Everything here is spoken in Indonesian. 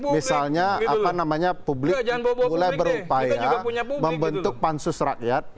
misalnya publik mulai berupaya membentuk pansus rakyat